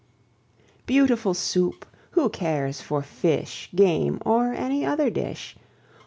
Beautiful Soup! Who cares for fish, Game, or any other dish?